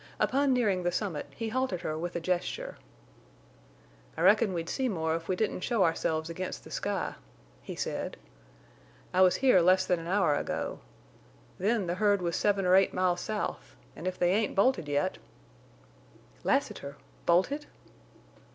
Upon nearing the summit he halted her with a gesture. "I reckon we'd see more if we didn't show ourselves against the sky," he said. "I was here less than an hour ago. Then the herd was seven or eight miles south, an' if they ain't bolted yet—" "Lassiter!... Bolted?"